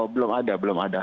belum ada belum ada